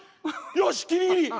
よしギリギリ！